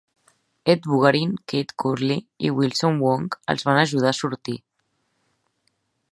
Ed Bugarin, Cade Courtley i Wilson Wong el van ajudar a sortir.